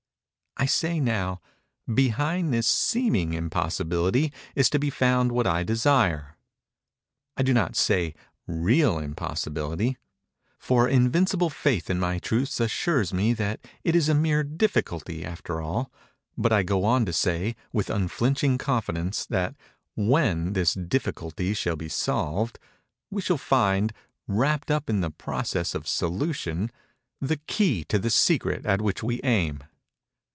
I say now:—"Behind this seeming impossibility is to be found what I desire." I do not say "real impossibility;" for invincible faith in my truths assures me that it is a mere difficulty after all—but I go on to say, with unflinching confidence, that, when this difficulty shall be solved, we shall find, wrapped up in the process of solution, the key to the secret at which we aim.